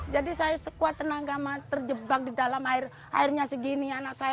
jadi saya sekuat tenaga terjebak di dalam air airnya segini